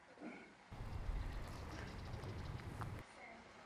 Učil pak na "Lycée Saint Louis".